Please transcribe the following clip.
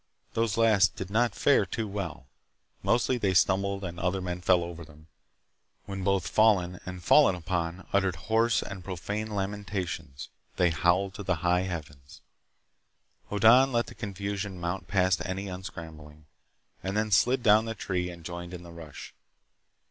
Those last did not fare too well. Mostly they stumbled and other men fell over them, when both fallen and fallen upon uttered hoarse and profane lamentations—they howled to the high heavens. Hoddan let the confusion mount past any unscrambling, and then slid down the tree and joined in the rush.